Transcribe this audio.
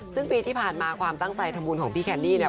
ซึ่งปีที่ผ่านมาความตั้งใจทำบุญของพี่แคนดี้เนี่ย